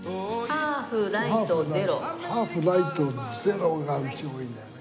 ハーフライトゼロがうち多いんだよね。